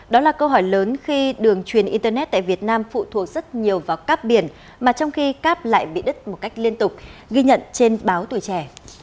đó là câu hỏi lớn khi đường truyền internet tại việt nam phụ thuộc rất nhiều vào cáp biển mà trong khi cáp lại bị đứt một cách liên tục ghi nhận trên báo tuổi trẻ